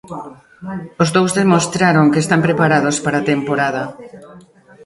Os dous demostraron que están preparados para a temporada.